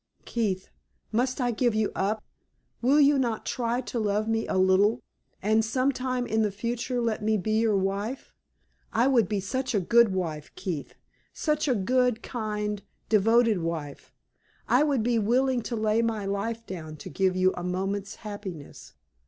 Keith, must I give you up? Will you not try to love me a little, and some time in the future let me be your wife? I would be such a good wife, Keith such a good, kind, devoted wife! I would be willing to lay my life down to give you a moment's happiness.